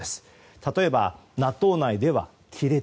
例えば、ＮＡＴＯ内では亀裂。